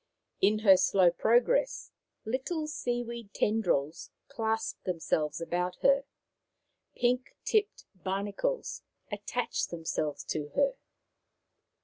In her slow progress little seaweed tendrils clasped themselves about her, pink tipped bar nacles attached themselves to her.